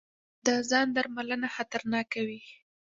د ځاندرملنه خطرناکه وي.